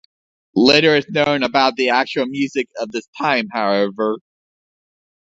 Little is known about the actual music of this time, however.